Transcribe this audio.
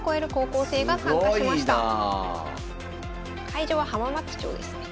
会場は浜松町ですね。